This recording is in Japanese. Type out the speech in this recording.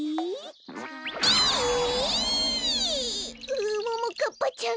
ううももかっぱちゃん